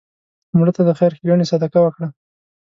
مړه ته د خیر ښیګڼې صدقه وکړه